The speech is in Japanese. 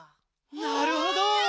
なるほど。